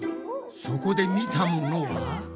そこで見たものは？